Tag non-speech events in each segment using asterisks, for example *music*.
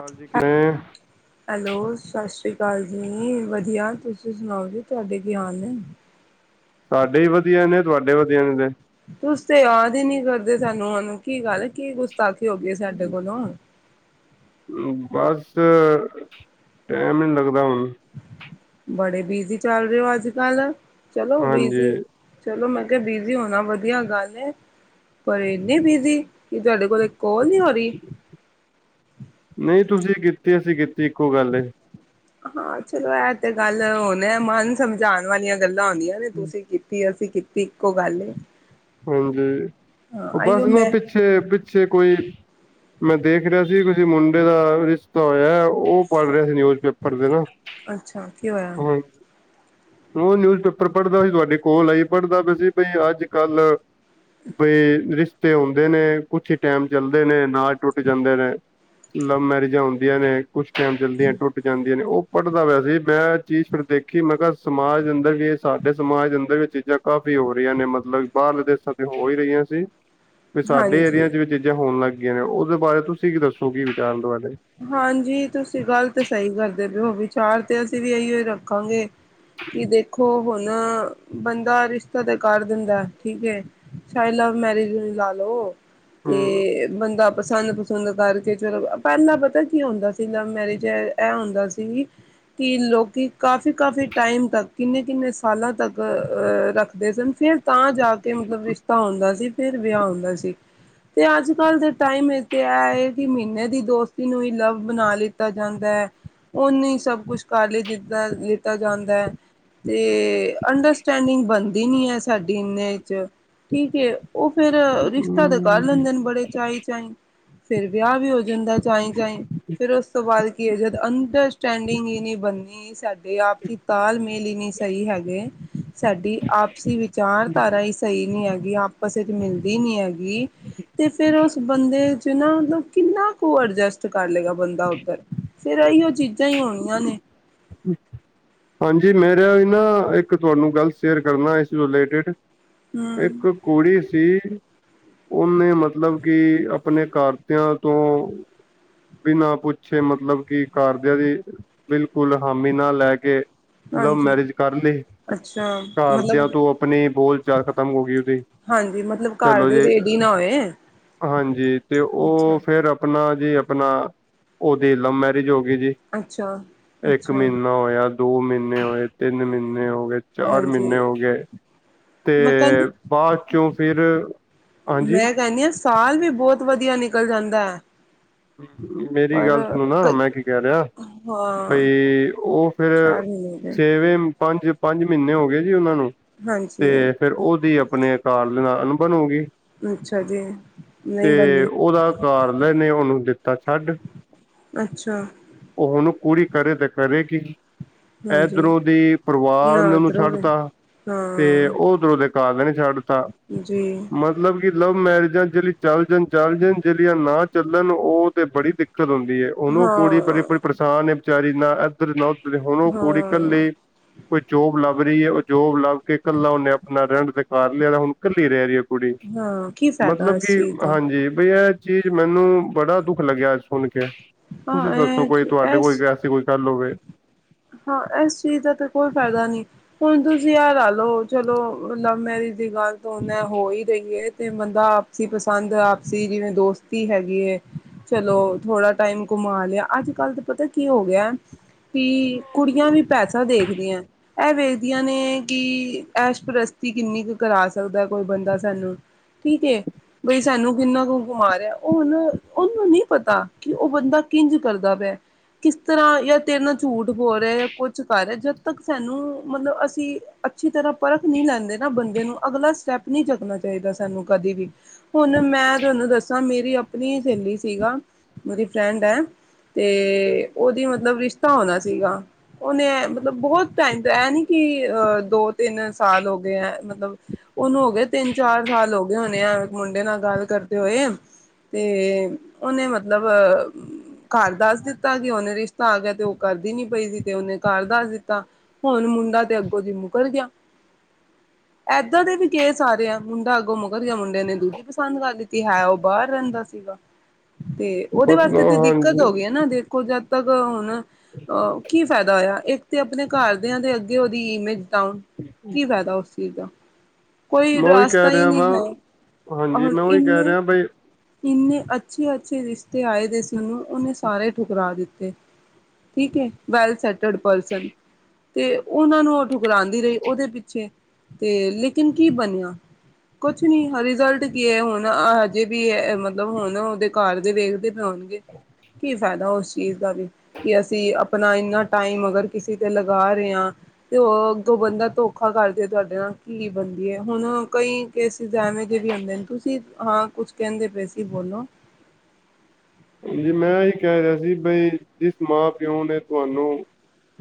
ਕਾਲ ਜੀ ਕਿਵੇਂ? ਹੈਲੋ ਸਸ ਸ੍ਰੀ ਕਾਲ ਜੀ, ਵਧੀਆ ਤੁਸੀਂ ਸੁਣਾਓ ਜੀ ਤੁਹਾਡੇ ਕੀ ਹਾਲ ਨੇ? ਸਾਡੇ ਵੀ ਵਧੀਆ ਨੇ, ਤੁਆਡੇ ਵਧੀਆ ਨੇ ਤੇ। ਤੁਸੀ ਤੇ ਯਾਦ ਹੀ ਨੀ ਕਰਦੇ ਸਾਨੂੰ ਹੁਣ ਕੀ ਗੱਲ ਕੀ ਗੁਸਤਾਖੀ ਹੋਗੀ ਏ ਸਾਡੇ ਤੇ ਕੋਲੋ? ਬਸ ਟੈਮ ਹੀ ਨੀ ਲੱਗਦਾ ਹੁਣ। ਬੜੇ ਬਿਜੀ ਚੱਲ ਰੇ ਔ ਅੱਜ-ਕੱਲ, ਚਲੋ ਹਾਂਜੀ ਬਿਜੀ ਚਲੋ ਮੈਂ ਕਿਆ ਬਿਜ਼ੀ ਹੋਣਾ ਵਧੀਆ ਗੱਲ ਏ। ਪਰ ਏਨੇ ਬਿਜ਼ੀ ਕਿ ਤੁਹਾਡੇ ਕੋਲੋ ਏਕ ਕੋਲ ਨੀ ਹੋ ਰਹੀ ਨਈ ਤੁਸੀ ਕੀਤੀ, ਅਸੀ ਕੀਤੀ ਇੱਕੋ ਗੱਲ ਏ। ਹਾਂ, ਚਲੋ ਐ ਤੇ ਗੱਲ ਹੋਣ ਐ ਮਨ ਸਮਝਾਣ ਵਾਲੀਆਂ ਗੱਲਾਂ ਹੁੰਦੀਆਂ ਵੀ ਤੁਸੀਂ ਕੀਤੀ, ਅਸੀਂ ਕੀਤੀ ਇੱਕੋ ਗੱਲ ਏ। ਹਾਂਜੀ, ਹਾਂ ਔ ਬਸ ਆਈਓ ਨਾ ਮੈਂ ਪਿੱਛੇ-ਪਿੱਛੇ ਕੋਈ ਮੈਂ ਦੇਖ ਰਿਆ ਸੀ ਕਿਸੀ ਮੁੰਡੇ ਦਾ ਰਿਸ਼ਤਾ ਹੋਇਆ ਉਹ ਪੜ੍ਹ ਰਿਹਾ ਸੀ ਨਿਊਜ਼ਪੇਪਰ ਤੇ ਨਾ। ਅੱਛਾ ਕੀ ਹੋਇਆ? ਉਹੋ ਨਿਊਜ਼ਪੇਪਰ ਪੜ੍ਹਦਾ ਪੀ ਸੀ ਤੁਹਾਡੀ ਕੋਲ ਆਈ ਏ ਪੜ੍ਹਦਾ ਪੀਆ ਸੀ ਬਈ ਅੱਜ-ਕੱਲ ਬਈ ਰਿਸ਼ਤੇ ਹੁੰਦੇ ਨੇ ਕੁਛ ਹੀ ਟੈਮ ਚੱਲਦੇ ਨੇ ਨਾ ਈ ਟੁੱਟ ਜਾਂਦੇ ਨੇ। ਲਵ ਮੈਰਿਜਾਂ ਹੁੰਦੀਆਂ ਨੇ। ਕੁਛ ਟੈਮ ਚੱਲਦੀਐ ਟੁੱਟ ਜਾਂਦੀਆਂ ਨੇ ਓਹ ਪੜ੍ਹਦਾ ਪਿਆ ਸੀ ਮੈਂ ਐ ਚੀਜ਼ ਫੇਰ ਦੇਖੀ ਮੈਂ ਕ ਸਮਾਜ ਦੇ ਅੰਦਰ ਹੀ ਸਾਡੇ ਸਮਾਜ ਦੇ ਅੰਦਰ ਵੀ ਐ ਚੀਜ਼ਾਂ ਕਾਫ਼ੀ ਹੋ ਰੀਆਂ ਨੇ, ਮਤਲਬ ਕਿ ਬਾਹਰਲੇ ਦੇਸ਼ਾਂ ਤੇ ਹੋ ਹੀ ਰਹੀਆਂ ਸੀ। ਵੀ ਸਾਡੇ ਏਰੀਆ ਹਾਂਜੀ ਚ ਵੀ ਐ ਚੀਜ਼ਾਂ ਹੋਣ ਲੱਗ ਗੀਆਂ ਨੇ। ਓਦੇ ਬਾਰੇ ਤੁਸੀਂ ਕੀ ਦੱਸੋ ਕੀ ਵਿਚਾਰ ਦੁ ਵਾਰੇ? ਹਾਂਜੀ, ਤੁਸੀਂ ਗੱਲ ਤੇ ਸਹੀ ਕਰਦੇ ਪੇ ਔ, ਵਿਚਾਰ ਤੇ ਅਸੀਂ ਵੀ ਅਹੀਓ ਹੀ ਰੱਖਾਂਗੇ ਕਿ ਦੇਖੋ ਹੁਣ, ਬੰਦਾ ਰਿਸ਼ਤਾ ਤੇ ਕਰ ਦਿੰਦੈ, ਠੀਕ ਏ। ਚਾਏ ਲਵ ਮੈਰਿਜ ਲ ਲਾਲੋ। ਹੂੰ ਤੇ ਬੰਦਾ ਪਸੰਦ ਪੰ ਸੂੰਦ ਕਾਰਕੇ ਚਲੋ, ਪੈਲਾਂ ਪਤੈ ਕੀ ਹੁੰਦਾ ਸੀ ਲਵ ਮੈਰਿਜ ਐ ਐਹ ਹੁੰਦਾ ਸੀ ਕਿ ਲੋਕੀ ਕਾਫੀ-ਕਾਫੀ ਟਾਈਮ ਤੱਕ ਕਿੰਨੇ-ਕਿੰਨੇ ਸਾਲਾਂ ਤੱਕ ਰੱਖਦੇ ਸਨ ਫਿਰ ਤਾਂ ਜਾ ਕੇ ਮਤਲਬ ਰਿਸ਼ਤਾ ਹੁੰਦਾ ਸੀ। ਫਿਰ ਵਿਆਹ ਹੁੰਦਾ ਸੀ। ਤੇ ਅੱਜ ਕੱਲ੍ਹ ਦੇ ਟਾਈਮ ਇ ਤਾਂ ਹੈ ਹੈ ਕਿ ਮਹੀਨੇ ਦੀ ਦੋਸਤ ਨੂੰ ਹੀ ਲਵ ਬਣਾ ਲਿੱਤਾ ਜਾਂਦਾ ਹੈ। ਉਹਨੇ ਹੀ ਸਭ ਕੁਛ ਕਰ ਲ ਲਈ ਜਿੱਦਾਂ ਦਿੱਤਾ ਜਾਂਦਾ ਹੈ। ਤੇ' ਅੰਡਰਸਟੈਂਡਿੰਗ ਬਣਦੀ ਨੀ ਹੈ ਸਾਡੀ ਏਨੇ ਚ'' ਠੀਕ ਹੈ ਉਹ ਫੇਰ ਰਿਸ਼ਤਾ ਤਾਂ ਕਰ ਲੈਂਦੇ ਨੇ ਬੜੇ ਚਾਏ ਚਏਂ ਫੇਰ ਵਿਆਹ ਵੀ ਹੋ ਜਾਂਦਾ ਚਾਈਂ-ਚਾਈਂ ਫਿਰ ਉਸ ਤੋਂ ਬਾਦ ਕੀ ਹੈ ਜਦ ਅੰਡਰਸਟੈਂਡਿੰਗ ਹੀ ਨਹੀਂ ਬਣਨੀ ਸਾਡੀ ਆਪਸੀ ਤਾਲ ਮੈਂ ਮਿਲੀ ਨਹੀ ਸਹੀ ਹੈਗੇ ਸਾਡੀ ਆਪਸੀ ਵਿਚਾਰਧਾਰਾ ਹੀ ਸਹੀ ਨੀ ਹੈਗੀ ਆਪ ਪਾਸੇ ਚ' ਮਿਲਦੀ ਨੀ ਹੈਗੀ ਤੇ ਫੇਰ ਉਸ ਬੰਦੇ ਚ' ਨਾ ਮਤਲਬ ਕਿੰਨਾ ਕੁ ਉਹ ਐਡਜਸਟ ਕਰ ਲਏਗਾ ਬੰਦਾ ਉੱਧਰ ਫੇਰ ਇਹੀ ਉਹ ਚੀਜ਼ਾਂ ਹੀ ਹੋਣੀਆਂ ਨੇ *unintelligible* ਹਾਂਜੀ ਮੈਂ ਰੇਹਾ ਵੀ ਨਾ ਇੱਕ ਤੁਹਾਨੂੰ ਗੱਲ ਸ਼ੇਅਰ ਕਰਨਾ ਇਸ ਰਿਲੇਟਿਡ ਹਮ ਇੱਕ ਕੁੜੀ ਸੀ। ਉਹਨੇ ਮਤਲਬ ਕਿ ਆਪਣੇ ਕਾਰਤਿਆਂ ਤੋਂ ਬਿਨਾ ਪੁੱਛੇ ਮਤਲਬ ਕਿ ਕਾਰਦਿਆਂ ਦੀ ਫੂਲ ਹਾਮੀ ਨਾਲ ਲੈ ਕੇ ਲਵ ਹਾਂਜੀ ਮੈਰਿਜ ਕਰ ਲੀ ਅੱਛਾ ਮਤਲਬ ਘਰਦਿਆਂ ਤੋਂ ਆਪਣੀ ਬੋਲ ਚਾਲ ਖਤਮ ਹੋ ਗਈ ਉਹਦੀ ਹਾਂਜੀ ਮਤਲਬ ਘਰ ਚਲੋ ਦੇ ਜੀ ਰੇਡੀ ਹੀ ਨਾ ਹੋਏ ਹਾਂਜੀ ਤੇ ਉਹ ਅੱਛਾ ਫੇਰ ਆਪਣਾ ਜੀ ਆਪਣਾ ਉਹਦੀ ਲਵ ਮੈਰਿਜ ਹੋ ਗਈ ਜੀ ਅੱਛਾ ਇੱਕ ਅੱਛਾ ਮਹੀਨਾ ਹੋਇਆ, ਦੋ ਮਹੀਨੇ ਹੋਏ, ਤਿੰਨ ਮਹੀਨੇ ਹੋ ਗਏ, ਚਾਰ ਹਾਂਜੀ ਮਹੀਨੇ ਹੋ ਗਏ ਮੈਂ ਕਹਿੰਦੀ ਅਤੇ ਬਾਦ 'ਚੋਂ ਫਿਰ ਹਾਂਜੀ ਮੈਂ ਕਹਿੰਦੀ ਹਾਂ ਸਾਲ ਵੀ ਬੋਤ ਵਧੀਆ ਨਿਕਲ ਜਾਂਦਾ ਹੈ। ਮੇਰੀ ਗੱਲ ਪਰ ਸੁਣੋ ਨਾ ਮੈਂ ਕੀ ਕੈ ਰਿਹਾ ਹਾਂ ਬਈ ਉਹ ਫੇਰ ਚਾਰ ਮਹੀਨੇ ਦੇ ਛੇਵੇਂ ਪੰਜ-ਪੰਜ ਮਹੀਨੇ ਹੋ ਗਏ ਜੀ ਉਹਨਾਂ ਨੂੰ ਤੇ ਹਾਂਜੀ ਫੇਰ ਉਹਦੀ ਆਪਣੇ ਕਾਰ ਦੇ ਨਾਲ ਅਨ ਬਣ ਹੋਗੀ ਅੱਛਾ ਜੀ ਨਹੀਂ ਤੇ ਬਣੀ ਉਹਦਾ ਘਰਅਲੇ ਨੇ ਉਹਨੂੰ ਦਿੱਤਾ ਛੱਡ ਅੱਛਾ ਉਹ ਹੁਣ ਕੁੜੀ ਕਰੇ ਤੇ ਕਰੇ ਕੀ ਹਾਂਜੀ ਇਧਰੋਂ ਦੀ ਪਰਿਵਾਰ ਨਾ ਨੇ ਉਹਨੂੰ ਇਧਰੋਂ ਵੀ ਛੱਡਤਾ ਤੇ ਹਾਂ ਉਹ ਉਧ ਦੇ ਘਰਲੇ ਨੇ ਛੱਡ ਦਿੱਤਾ ਜੀ ਮਤਲਬ ਕਿ ਲਵ ਮੈਰਿਜਾਂ ਜੇੜ ਚੱਲ ਜਾਣ-ਚੱਲ ਜਾਣ ਜੇੜੀਆਂ ਨਾ ਚੱਲਣ ਉਹ ਤੇ ਬੜੀ ਦਿੱਕਤ ਹੁੰਦੀ ਹੈ ਉਹੁਨੂੰ ਕੁੜੀ ਬੜੀੜੀ ਹਾਂ ਪਰੇਸ਼ਾਨ ਬਚਾਰੀ ਨਾ ਓਦਰ ਨਾ ਓਦ ਹੁਨ ਓ ਕੁੜੀ ਹਾਂ ਕੱਲੇ, ਕੋਈ ਜੋਬ ਲੱਭ ਰਈ ਏ ਓ ਜੋਬ ਲੱਭ ਕੇ ਕੱਲਾ ਓਨੇ ਆਪਨਾ ਰੈਂਟ ਤੇ ਕਰ ਲੇਆ ਹੁਨ ਕੱਲੀ ਰੈ ਰਈ ਐ। ਕੁੜੀ ਹਾਂ ਕੀ ਫਾਇਦਾ ਮਤਲਬ ਇਸ ਕਿ ਚੀਜ਼ ਦਾ ਹਾਂਜੀ ਬਈ ਐਹ ਚੀਜ਼ ਮੈਨੂੰ ਬੜਾ ਦੁੱਖ ਲੱਗੇਆ ਅੱਜ ਸੁਨ ਕੇ, ਤੁਸੀਂ ਹਾਂ ਦੱਸੋ ਕੋਈ ਇਹ ਤੁਆਡੇ ਕੋਲ ਇਸ ਜੇ ਐਸੀ ਕੋਈ ਗੱਲ਼ ਹੋਵੇ। ਹਾਂ ਐਸ ਚੀਜ਼ ਦਾ ਤਾਂ ਕੋਈ ਫੈਦਾ ਨੀ। ਹੁਨ ਤੁਸੀਂ ਆਹ ਲਾ ਲੋ ਚਲੋ ਲਵ ਮੈਰਿਜ ਦੀ ਗੱਲ ਤਾਂ ਓਦੇ ਨਾਲ ਹੋ ਈ ਰਈ ਐ ਤੇ ਬੰਦਾ ਆਪ ਆਪਸੀ ਪਸੰਦ ਆਪਸੀ ਜਿਵੇਂ ਦੋਸਤੀ ਹੈਗੀ ਏ। ਚਲੋ ਥੋੜਾ ਟਾਈਮ ਘੁਮਾ ਲੇਆ ਅੱਜ-ਕੱਲ ਤਾਂ ਪਤਾ ਕੀ ਹੋ ਗੇਆ ਕੀ ਕੁੜੀਆਂ ਵੀ ਪੈਸਾ ਦੇਖਦੀ ਐਂ। ਐ ਵੇਖਦੀਆਂ ਨੇ ਕੀ ਐਸ਼ਪ੍ਰਸਤੀ ਕਿੰਨੀ ਕੁ ਕਰਾ ਸਕਦਾ ਕੋਈ ਬੰਦਾ ਸਾਨੂੰ ਠੀਕ ਏ, ਬਈ ਸਾਨੂੰ ਕਿੰਨਾ ਕੁ ਘੁਮਾ ਰਿਐ ਓ ਨਾ ਓਨੂੰ ਨੀ ਪਤਾ ਕੀ ਓ ਬੰਦਾ ਕਿੰਝ ਕਰਦਾ ਪਿਆ ਕਿਸ ਤਰ੍ਹਾਂ ਜਾਂ ਤੇਰੇ ਨਾਲ ਝੂਠ ਬੋਲ ਰਿਆ ਜਾਂ ਕੁੱਛ ਕਰ ਰਿਆ ਜਦ ਤੱਕ ਸਾਨੂੰ ਮਤਲਬ ਅਸੀਂ ਅੱਛੀ ਤਰ੍ਹਾਂ ਪਰਖ ਨੀ ਲੈਂਦੇ ਨਾ ਬੰਦੇ ਨੂੰ ਅਗਲਾ ਸਟੈਪ ਨਈ ਚੱਕਣਾ ਚਈਦਾ ਸਾਨੂੰ ਕਦੇ ਵੀ। ਹੁਨ ਮੈਂ ਤਾਨੂੰ ਦੱਸਾਂ ਮੇਰੀ ਆਪਨੀ ਸਹੇਲੀ ਸੀਗਾ, ਮੇਰੀ ਫਰੈਂਡ ਐ ਤੇ ਓਦੀ ਮਤਲਬ ਰਿਸ਼ਤਾ ਹੋਨਾ ਸੀ ਸੀਗਾ ਓਨੇ ਮਤਲਬ ਬਹੋਤ ਟਾਈਮ ਤਾਂ ਐਹ ਨੀ ਕਿ ਅਹ ਦੋ ਤਿੰਨ ਸਾਲ ਹੋ ਗਏ ਐ ਮਤਲਬ ਓਨੂੰ ਹੋ ਗਏ ਤਿੰਨ ਚਾਰ ਸਾਲ ਹੋ ਗਏ ਹੋਨੇ ਐ ਇੱਕ ਮੁੰਡੇ ਨਾਲ ਗੱਲ ਕਰਦੇ ਹੋਏ ਤੇ ਓਨੇ ਮਤਲਬ ਘਰ ਦੱਸ ਦਿੱਤਾ ਕੀ ਓਨੇ ਰਿਸ਼ਤਾ ਆ ਗੇਆ ਤੇ ਓ ਕਰਦੀ ਨੀ ਪਈ ਸੀ ਤੇ ਓਨੇ ਘਰ ਦੱਸ ਦਿੱਤਾ, ਹੁਨ ਮੁੰਡਾ ਤੇ ਅੱਗੋਂ ਦੀ ਮੁਕਰ ਗੇਆ। *inaudible* ਏਦਾਂ ਦੇ ਵੀ ਕੇਸ ਆਰੇ ਆ ਮੁੰਡਾ ਅੱਗੋਂ ਮੁਕਰ ਗੇਆ ਮੁੰਡੇ ਨੇ ਦੂਜੀ ਪਸੰਦ ਕਰ ਲੀਤੀ ਹੈ ਓ ਬਾਰ ਰੈਂਦਾ ਸੀ ਸੀਗਾ, ਤੇ ਓਦੇ ਮਤਲਬ ਵਾਸਤੇ ਤੇ ਹਾਂਜੀ ਦਿੱਕਤ ਹੋ ਗਈ ਏ ਨਾ ਦੇਖੋ ਜਦ ਤੱਕ ਹੁਨ ਅਹ ਕੀ ਫੈਦਾ ਹੋਏਆ ਇੱਕ ਤੇ ਆਪਨੇ ਘਰ ਦੇਆਂ ਦੇ ਅੱਗੇ ਓਦੀ ਇਮੇਜ ਡਾਊਨ ਕੀ ਫੈਦਾ ਉਸ ਚੀਜ਼ ਦਾ, ਕੋਈ ਮੈਂ ਉਹੀ ਕਹਿ ਰਸਤਾ ਈ ਰਿਹਾ ਨਈਂ ਵਾਂ ਹੈ, ਹਾਂਜੀ ਔਰ ਮੈਂ ਉਹੀ ਕਹਿ ਇੰਨੇ ਰਿਹਾ ਬਈ ਇੰਨੇ ਅੱਛੇ-ਅੱਛੇ ਰਿਸ਼ਤੇ ਆਏ ਦੇ ਸੀ ਓਨੂੰ ਓਨੇ ਸਾਰੇ ਠੁਕਰਾ ਦਿੱਤੇ। ਠੀਕ ਐ, ਵੈਲ ਸੈਟਡ ਪਰਸਨ ਤੇ ਓਨਾਂ ਨੂੰ ਓ ਠੁਕਰਾਉਂਦੀ ਰਈ ਓਦੇ ਪਿੱਛੇ, ਤੇ ਲੇਕਿਨ ਕੀ ਬਨੇਆ। ਕੁਛ ਨੀ ਰਿਜ਼ਲਟ ਕੀ ਐ ਹੁਨ ਹਜੇ ਵੀ ਮਤਲਬ ਹੁਨ ਓਦੇ ਘਰ ਦੇ ਵੇਖਦੇ ਹੋਨਗੇ ਕੀ ਫੈਦਾ ਓਸ ਚੀਜ਼ ਦਾ ਵੀ ਕੀ ਅਸੀਂ ਅਪ ਆਪਨਾ ਇੰਨਾ ਟਾਈਮ ਅਗਰ ਕਿਸੀ ਤੇ ਲਗਾ ਰਏ ਆਂ ਤੇ ਓ ਅੱਗੋ ਬੰਦਾ ਧੋਖਾ ਕਰਜੇ ਤੁਆਡੇ ਨਾਲ ਕੀ ਬਨਦੀ ਐ ਹੁਨ ਕਈ ਕੇਸਿਜ ਐਵੇਂ ਦੇ ਵੀ ਹੁੰਦੇ ਨੇ ਤੁਸੀਂ ਹਾਂ ਕੁਛ ਕੈਂਦੇ ਪਏ ਸੀ ਬੋਲੋ ਜੀ ਮੈਂ ਏ ਕੈ ਰਿਆ ਸੀ ਬਈ ਜਿਸ ਮਾਂ ਪਿਓ ਨੇ ਤੁਆਨੂੰ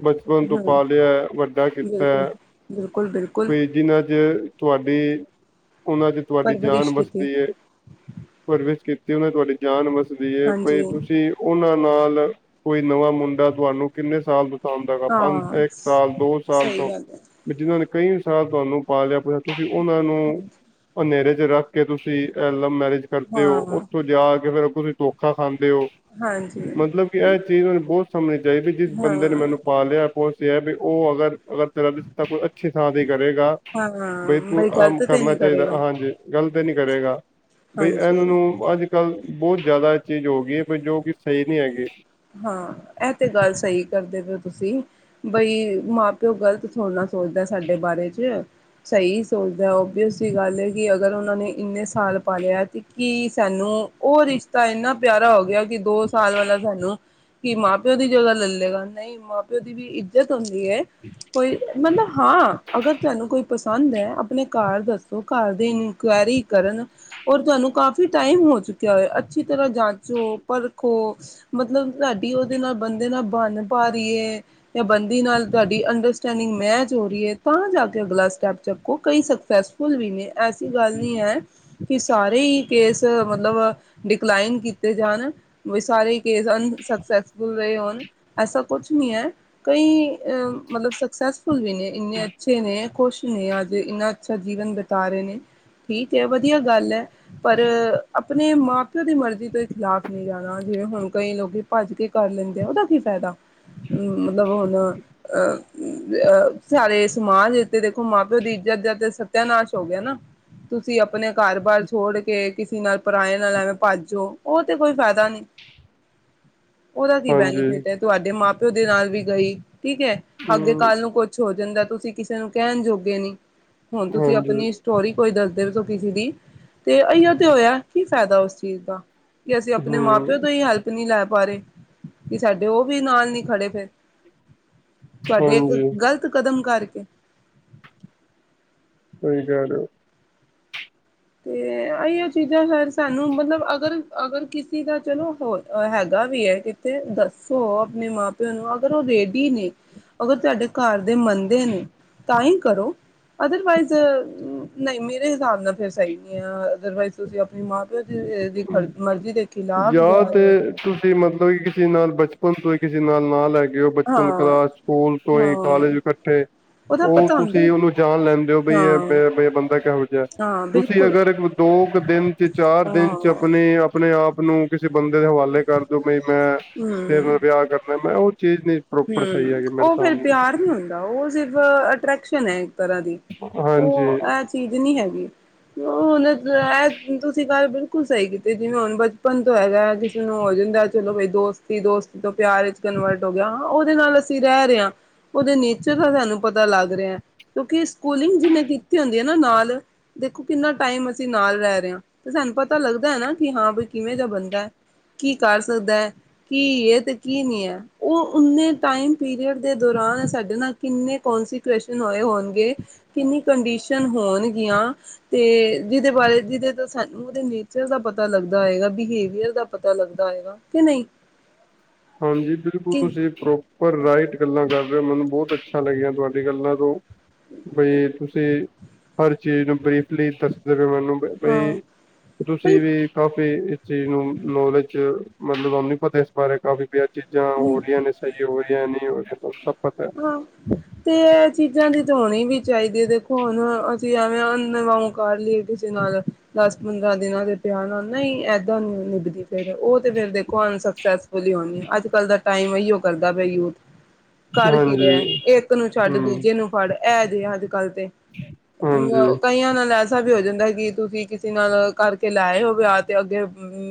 ਬਚਪਨ ਤੋਂ ਹਾਂ ਪਾਲੇਐ ਵੱਡਾ ਕੀਤੈ- ਬਿਲਕੁਲ-ਬਿਲਕੁਲ। ਬਈ ਜਿਨ੍ਹਾਂ ਚ ਤੁਆਡੀ ਓਨਾਂ ਚ ਤੁਆਡੀ ਜਾਨ ਪਰਵਰਿਸ਼ ਕੀਤੀ ਵਸਦੀ ਏ। ਪਰਵਿਸ਼ ਕੀਤੀ ਓਨਾਂ ਚ ਤੁਆਡੀ ਜਾਨ ਵੱਸਦੀ ਏ ਬਈ ਹਾਂਜੀ ਤੁਸੀਂ ਓਨਾਂ ਨਾਲ ਕੋਈ ਨਵਾਂ ਮੁੰਡਾ ਤੁਆਨੂੰ ਕਿੰਨੇ ਸਾਲ ਤੋਂ ਪਸੰਦ ਹੈਗਾ ਪੰਜ, ਹਾਂ ਇੱਕ ਸਾਲ ਦੋ ਸਾਲ ਸਹੀ ਤੋਂ ਗੱਲ ਹੈ ਵੀ ਜਿਨਾਂ ਨੇ ਕਈ ਸਾਲ ਤੁਹਾਨੂੰ ਪਾਲੇਆ ਬਈ ਤੁਸੀਂ ਓਨਾਂ ਨੂੰ ਹਨੇਰੇ ਚ ਰੱਖ ਕੇ ਤੁਸੀਂ ਲਵ ਮੈਰਿਜ ਕਰਦੇ ਓਂ, ਹਾਂ ਓਥੋਂ ਜਾ ਕੇ ਫੇਰ ਤੁਸੀਂ ਧੋਖਾ ਖਾਂਦੇ ਓਂ। ਹਾਂਜੀ ਮਤਲਬ ਕਿ ਇਹ ਚੀਜ਼ ਮੈਨੂੰ ਬਹੁਤ ਸਮਝਣੀ ਚਾਹੀਦੀ ਜਿਸ ਹਾਂ ਬੰਦੇ ਨੇ ਮੈਨੂੰ ਪਾਲਿਆ ਪੋਸ ਹੈ ਵੀ ਉਹ ਅਗਰ-ਅਗਰ ਤੇਰਾ ਰਿਸ਼ਤਾ ਕੋਈ ਅੱਛੀ ਥਾਂ ਦੀ ਕਰੇਗਾ ਬਈ ਹਾਂ ਤੂੰ ਆਮ ਗ਼ਲਤ ਤੇ ਕਰਨਾ ਨਹੀਂ ਚਾਹੀਦਾ ਕਰੇਗਾ ਹਾਂਜੀ। ਗਲਤ ਤੇ ਨੀ ਕਰੇਗਾ ਬਈ ਹਾਂਜੀ ਇਹਨਾਂ ਨੂੰ ਅੱਜ ਕੱਲ੍ਹ ਬੋਹਤ ਜਾਦਾ ਚੀਜ਼ ਹੋ ਗਈ ਏ ਪਰ ਜੋ ਕਿ ਸਹੀ ਨੀ ਹੈਗੀ। ਹਾਂ ਇਹ ਤੇ ਗੱਲ ਸਹੀ ਕਰਦੇ ਪਏ ਓ ਤੁਸੀ। ਬਈ ਮਾਂ ਪਿਓ ਗ਼ਲਤ ਥੋੜਾ ਨਾ ਸੋਚਦਾ ਸਾਡੇ ਬਾਰੇ ਚ। ਸਹੀ ਸੋਚਦਾ ਓਬੀਅਸ ਦੀ ਗੱਲ ਹੈ, ਕਿ ਅਗਰ ਉਹਨਾਂ ਨੇ ਇੰਨੇ ਸਾਲ ਪਾਲਿਆ ਤੇ ਕੀ ਸਾਨੂੰ ਉਹ ਰਿਸ਼ਤਾ ਇੰਨਾ ਪਿਆਰਾ ਹੋ ਗਿਆ ਕਿ ਦੋ ਸਾਲ ਵਾਲਾ ਸਾਨੂੰ ਕਿ ਮਾਂ ਪਿਓ ਦੀ ਜਗ੍ਹਾ ਲਲੇਗਾ ਨਈ ਮਾਂ ਪਿਓ ਦੀ ਵੀ ਇੱਜ ਜਤ ਹੁੰਦੀ ਏ ਕੋਈ ਮਤਲਬ ਹਾਂ ਅਗਰ ਤੁਹਾਨੂੰ ਕੋਈ ਪਸੰ ਸੰਦ ਹੈ ਆਪਣੇ ਘਰ ਦੱਸੋ ਘਰ ਦੀ ਇਨਕੁਆਇਰੀ ਕਰਨ ਔਰ ਤੁਹਾਨੂੰ ਕਾਫੀ ਟਾਈਮ ਹੋ ਚੁੱਕਿਆ ਹੋਏ ਅੱਛੀ ਤਰ੍ਹਾਂ ਜਾਂਚੋ ਪਰਖੋ ਮਤਲਬ ਤੁਹਾਡੀ ਉਹਦੇ ਨਾਲ ਬੰਦੇ ਨਾਲ ਬਨ ਪਾ ਰਹੀਏ ਜਾਂ ਬੰਦੀ ਨਾਲ ਤੁਹਾਡੀ ਅੰਡ ਸਟਨਿੰਗ ਮੈਚ ਹੋ ਰਹੀ ਐ ਤਾਂ ਜਾ ਕੇ ਅਗਲਾ ਸਟੈਪ ਚੱਕੋ ਕਈ ਸਕਸੈਸਫੁਲ ਵੀ ਨੇ। ਐਸੀ ਗੱਲ ਨੀ ਹੈ। ਕਿ ਸਾਰੇ ਹੀ ਕੇਸ ਮਤਲਬ ਡਿਕਲਾਈਨ ਕੀਤੇ ਜਾਣ। ਉਹੀ ਸਾਰੇ ਹੀ ਕੇਸ ਅਨ ਸਕਸੈਸਫੁੱਲ ਰਹੇ ਹੋਣ ਐਸਾ ਕੁਛ ਨੀ ਹੈ ਕਈ ਅ ਮਤਲਬ ਸਕਸੈਸ ਫੁੱਲ ਵੀ ਨੇ ਇੰਨੇ ਅੱਛੇ ਨੇ ਖੁਸ਼ ਨੇ ਅੱਜ ਇੰਨਾ ਅੱਛਾ ਜੀਵਨ ਬਿਤਾ ਰਹੇ ਨੇ। ਠੀਕ ਐ ਵਧੀਆ ਗੱਲ ਹੈ। ਪਰ ਆਪਣੇ ਮਾਂ ਪਿਓ ਦੀ ਮਰਜ਼ੀ ਦੇ ਖਿਲਾਫ਼ ਨੀ ਜਾਣਾ ਜਿਵੇਂ ਹੁਣ ਕਈ ਲੋਕੀ ਭੱਜ ਕੇ ਕਰ ਲੈਂਦੇ ਆ ਉਹਦਾ ਕੀ ਫ਼ਾਇਦਾ ਹੱਮ ਮਤਲਬ ਹੁਣ ਅ ਊ ਆ ਸਾਰੇ ਸਮਾਜ ਤੇ ਦੇਖੋ ਮਾਂ ਪਿਓ ਦੀ ਇੱਜ਼ਤ ਦਾ ਤੇ ਸਤਾਯਾਨਾਸ਼ ਹੋ ਗਿਆ ਨਾ ਤੁਸੀਂ ਆਪਣੇ ਘਰ ਬਾਰ ਛੋੜ ਕੇ ਕਿਸ ਨਾਲ਼ ਪਰਾਏ ਨਾਲ ਐਵੇ ਭਾਜੋ ਉਹ ਤੇ ਕੋਈ ਫਾਇਦਾ ਨੀ। ਉਹਦਾ ਦੀ ਹਾਂਜੀ ਬੈਨੀਫਿਟ ਹੈ ਤੁਹਾਡੇ ਮਾਂ ਪਿਓ ਦੇ ਨਾਲ ਵੀ ਗਈ ਠੀਕ ਹੈ, ਅੱਗੇ ਹੂੰ ਕੱਲ ਨੂੰ ਕੁਛ ਹੋ ਜਾਂਦਾ ਤੁਸੀਂ ਕਿਸੇ ਨੂੰ ਕਹਿਣ ਜੋਗੇ ਨੀ ਹੁਣ ਤੁਸੀਂ ਹਾਂਜੀ ਆਪਣੀ ਹੋਰ ਹੀ ਕੋਈ ਦੱਸਦੇ ਸੋਂ ਕਿਸੇ ਦੀ ਤੇ ਇਹ ਯੋ ਤੇ ਹੋਇਆ ਕੀ ਫਾਇਦਾ ਉਸ ਚੀਜ਼ ਦਾ। ਕਿ ਅਸੀ ਆਪਣੇ ਮਾਂ ਹੂੰ ਪਿਓ ਤੋਂ ਹੀ ਹੈਲਪ ਨੀ ਲੈ ਪਾਰੇ ਕਿ ਸਾਡੇ ਉਹ ਵੀ ਨਾਲ ਨੀ ਖੜੇ ਫੇਰ ਤੁਹਾਡੇ ਇੱਕ ਹਾਂਜੀ ਗਲ ਤ ਕਦਮ ਕਰਕੇ। ਸਹੀ ਕਹਿ ਰਹੇ ਹੋ। ਤੇ ਐਓ ਚੀਜ਼ਾਂ ਫਿਰ ਸਾਨੂੰ ਮਤਲਬ ਅਗਰ-ਅਗਰ ਕਿਸੀ ਦਾ ਚਲੋ ਹੋ ਹੈਗਾ ਵੀ ਹੈ ਕਿ ਤੇ ਦੱਸੋ ਆਪਣੇ ਮਾਂ ਪਿਓ ਨੂੰ ਅਗਰ ਉਹ ਰੇਡੀ ਨੇ ਅਗਰ ਤੁਹਾਡੇ ਘਰ ਦੇ ਮੰਨਦੇ ਨੇ ਤਾ ਹੀ ਕਰੋ। ਅਦਰਵਾਈਜ਼ ਨ ਨਈ ਮੇਰੇ ਹਿਸਾਬ ਨਾਲ ਫੇਰ ਸਈ ਆ ਅਦਰ ਵਾਇਸ ਤੁਸੀਂ ਆਪਣੇ ਮਾਂ ਪਿਓ ਦੀ ਮਰਜ਼ੀ ਦੇ ਖਿਲਾਫ ਜਾਂ ਜਾ ਤੇ ਰਹੇ ਹੋ ਤੁਸੀਂ ਮਤਲਬ ਕਿ ਕਿਸੇ ਨਾਲ ਬਚਪਨ ਤੋ ਹੀ ਕਿਸੇ ਨਾਲ, ਨਾਲ ਹੈਗੇ ਹੋ। ਬਚਪਨ ਹਾਂ ਕਲਾਸ ਸਕੂਲ ਤੋਂ ਹਾਂ ਹੀ ਕਾਲਜ ਕੱਠੇ। ਉਹਦਾ ਉਹ ਪਤਾ ਹੁੰਦਾ ਤੁਸੀਂ ਉਹਨੂੰ ਜਾਣ ਲੈਂਣਦੇ ਹੋ ਬਈ ਹਾਂ ਇਹ ਬ ਬੰਦਾ ਕਿਹੋ ਜਿਹਾ। ਹਾਂ ਤੁਸੀਂ ਬਿਲਕੁਲ ਅਗਰ ਦੋ ਕੁ ਦਿਨ ਚ ਹਰ ਦਿਨ ਚ ਹਾਂ ਆਪਣੇ-ਆਪਣੇ ਆਪ ਨੂੰ ਕਿਸੇ ਬੰਦੇ ਦੇ ਹਵਾਲੇ ਕਰ ਦਿਓ ਬਈ ਮੈਂ ਤੇਰੇ ਨਾਲ਼ ਵਿਅ ਵਿਆਹ ਕਰਨਾ ਮੈਂ ਉਹ ਚੀਜ਼ ਨੀ ਹਮ ਉਹ ਫੇਰ ਪਿਆਰ ਨੀ ਹੁੰਦਾ ਉਹ ਸਿਰਫ ਅਟਰ੍ਰੈਕਸ਼ਨ ਹੈ ਇੱਕ ਤਰ੍ਹਾਂ ਦੀ। ਹਾਂਜੀ! ਉਹ ਇਹ ਚੀਜ਼ ਨਹੀ,,,,,,, ਹੈਗੀ ਉਹ ਹੁਣ,,, ਤੁਸੀਂ ਗੱਲ ਬਿਲਕੁਲ ਸਹੀ ਕੀਤੀ ਜਿਵੇਂ ਹੁਣ ਬ! ਮੰਨ ਤੋਂ ਹੈਗਾ ਕਿਸੇ ਨੂੰ ਹੋ ਜਾਂਦਾ, ਚਲੋ ਬਈ ਦੋਸਤੀ -ਦੋਸਤੀ ਤੋਂ ਪਿਆਰ ਵਿੱਚ ਕਨਵਰਟ ਹੋ ਗਿਆ ਹੋਨਾ, ਓਹਦੇ ਨਾਲ ਅਸੀਂ ਰੈ ਰੇਏ ਆ, ਓਹਦੇ ਨੇਚਰ ਦਾ ਸਾਨੂੰ ਪਤਾ ਲੱਗ ਰਿਆ, ਕਿਉਂਕਿ ਸਕੂਲਿੰਗ ਜਿਨੇ ਕੀਤੀ ਹੁੰਦੀ ਏ ਨਾ ਨਾਲ, ਦੇਖੋ ਕਿੰਨਾ ਟਾਈਮ ਅਸੀਂ ਨਾਲ ਰੈ ਰਏ ਆ, ਤੇ ਸਾਨੂੰ ਪਤਾ ਲੱਗਦਾ ਐ ਨਾ ਕਿ ਹਾਂ ਬਈ ਕਿਵੇਂ ਦਾ ਬੰਦਾ, ਕੀ ਕਰ ਸਕਦਾ ਆ, ਕੀ ਏ ਤੇ ਕੀ ਨਈ ਐ ਓਹ ਉਨੇ ਟਾਈਮ ਪੀਰੀਅਡ ਦੇ ਦੌਰਾਨ ਸਾਡੇ ਨਾਲ ਕਿੰਨੇ ਕੋਂਨਸੀਕੁਏਸ਼ਨ ਹੋਏ ਹੋਣਗੇ, ਕਿੰਨੀ ਕੰਡੀਸ਼ਨ ਹੋਣਗੀਆਂ? ਤੇ ਜਿਦੇ ਬਾਰੇ ਜਿਦੇ ਦਾ ਸਾਨੂੰ ਓਦੇ ਨੇਚਰ ਦਾ ਪਤਾ ਲੱਗਦਾ ਹੋਏ ਗਾ, ਬਿਹੇਵੀਅਰ ਦਾ ਪਤਾ ਲੱਗਦਾ ਹੋਏ ਗਾ, ਕੇ ਨਈ ਹਾਂਜੀ ਬਿਲਕੁਲ ਤੁਸੀਂ ਠੀਕ ਔ, ਪਰ ਰਾਈਟ ਗੱਲਾਂ ਕਰ ਰਏ ਹੋ, ਮੈਨੂੰ ਬੋਤ ਅੱਛਾ ਲੱਗੇਆ ਤੁਹਾਡੀ ਗੱਲਾਂ ਤੋਂ! ਬਈ ਤੁਸੀਂ ਹਰ ਚੀਜ਼ ਨੂੰ ਬਰੀਫਲੀ ਦੱਸਦੇ ਪ ਮੈਨੂੰ ਬ ਬਈ, ਹਾਂ ਤੁਸੀਂ ਵੀ ਕਾਫ਼ੀ ਇਸ ਚੀਜ਼ ਨੂੰ ਨੌਲੇਜ ਮਤਲਬ ਆਮ ਨ ਪਤਾ ਇਸ ਬਾਰੇ, ਕਾਫੀ ਬ ਚੀਜ਼ਾਂ ਹੋ ਰਈਆਂ, ਨੇ ਸਹੀ ਹੋ ਰਈਆਂ ਨੇ, ਸਭ ਪਤਾ ਹੈ। ਹਾਂ, ਤੇ- ਏ ਚੀਜ਼ਾਂ ਦੀ ਹੋਣੀ ਵੀ ਚਾਹੀਦੀ ਏ ਦੇਖੋ ਹੁਣ ਅਸੀਂ ਐਵੇਂ, ਨਈ ਐਵੀ ਕਰ ਲਈ ਕਿਸੇ ਨਾਲ ਦਸ- ਪੰਦਰਾ ਦਿਨਾ ਦੇ ਪਿਆਰ ਨਾਲ ਨਈ ਐ, ਏਦਾਂ ਨਈ ਨਿਭਦੀ ਫਿਰ, ਓਹ ਤੇ ਫਿਰ ਦੇਖੋ ਅਨਸਕਸੈਸਫੁੱਲ ਹੀ ਹੋਣੀ ਆ ਅੱਜ ਕੱਲ੍ਹ ਦਾ ਟਾਈਮ ਇਓ ਕਰਦਾ ਵੀ ਯੂਥ, ਕਰ ਕੀ ਰੇਆ ਹਾਂਜੀ ਏਕ ਨੂੰ ਛੱਡ ਹੂੰ ਦੂਜੇ ਨੂੰ ਫੜ ਏ ਜੇ ਅੱਜ -ਕੱਲ੍ਹ ਤੇ। ਹਾਂਜੀ, ਕਈਆਂ ਨਾਲ ਲੈਸ, ਐਸ ਤਰਾਂ ਵੀ ਹੋ ਜਾਂਦਾ ਕਿ ਤੁਸੀਂ ਕਿਸੇ ਨਾਲ ਕਰਕੇ ਲੈਏ ਹੋਵੇ ਆ ਤੇ ਅੱਗੇ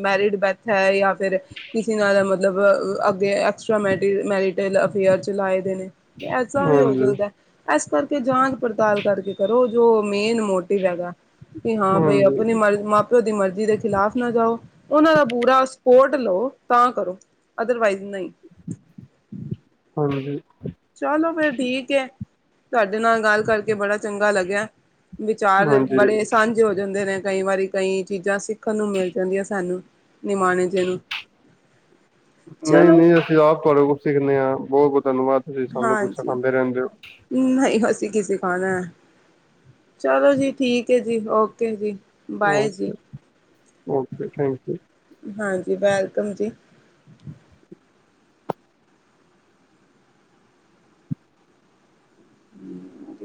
ਮੈਰਿਡ ਬੈ ਹੈ ਜਾਂ ਫਿਰ ਕਿਸੇ ਨਾਲ ਮਤਲਬ ਅੱਗੇ ਐਕਸਟਰਾ ਮੈਰੀਟਲ ਅਫੇਅਰਸ, ਚਲਾਏ ਦੇ ਨੇ ਐਸਾ ਵੀ ਹੋ ਹਾਂਜੀ, ਸਕਦਾ। ਏਸ ਕਰਕੇ ਜਾਂਚ ਪੜਤਾਲ ਕਰਕੇ ਕਰੋ ਜੋ ਮੇਨ ਮੋਟਿਵ ਹੈਗਾ। ਵੀ ਹਾਂ ਬਈ ਹਾਂਜੀ, ਆਪਣੀ ਮਰਜ਼ੀ, ਮਾਂ ਪਿਓ ਦੀ ਮਰਜ਼ੀ ਦੇ ਖਿਲਾਫ਼ ਨਾ ਜਾਓ। ਓਨਾਂ ਦਾ ਪੁਰਾ ਸਪੋਰਟ ਲਓ, ਤਾਂ ਕਰੋ ਅਦਰਵਾਈਜ਼ ਨਈ। ਹਾਂਜੀ। ਚਲੋ ਫਿਰ ਠੀਕ ਐ, ਤੁਹਾਡੇ ਨਾਲ ਗੱਲ ਕਰਕੇ ਬੜਾ ਚੰਗਾ ਲੱਗੇਆ। ਵਿਚਾਰ ਹਾਂਜੀ ਬੜੇ ਸਨ। ਤੇ ਹੋ ਜਾਂਦੇ ਨੇ ਕਈ ਵਾਰੀ ਕਈ ਚੀਜ਼ਾਂ ਸਿੱਖਣ ਨੂੰ ਮਿਲ ਜਾਂਦੀਆਂ ਸਾਨੂੰ ਨਿਮਾਣੇ ਜੇ ਨੂੰ, ਹ *unintelligible* ਨਹੀਂ -ਨਹੀਂ ਅਸੀਂ ਆਪ ਤੁਹਾਡੇ ਕੋਲ ਸਿੱਖਦੇ ਹਾਂ, ਬੋਤ- ਬੋਤ ਧੰਨਵਾਦ ਤੁਸੀਂ ਸਾਨੂੰ ਕੁਝ ਸਿਖਾਂਦੇ ਰੈਂਦੇ ਹੋ। ਨਈ ਅਸੀ ਕੀ ਸਿਖਾਣਾ, ਚਲੋ ਜੀ ਠੀਕ ਐ ਜੀ ਓਕੇ ਜੀ। ਬਾਏ ਜੀ ਓਕੇ- ਓਕੇ ਥੈਂਕ ਯੂ। ਹਾਂਜੀ ਵੈਲਕਮ ਜੀ। ਹਮ